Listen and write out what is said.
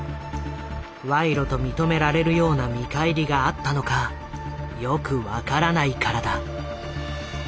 賄賂と認められるような見返りがあったのかよく分からないからだ。